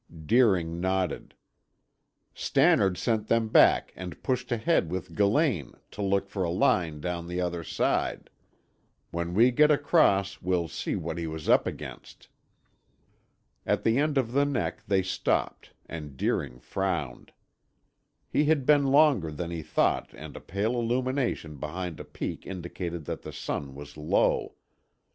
Deering nodded. "Stannard sent them back and pushed ahead with Gillane to look for a line down the other side. When we get across we'll see what he was up against." At the end of the neck they stopped and Deering frowned. He had been longer than he thought and a pale illumination behind a peak indicated that the sun was low.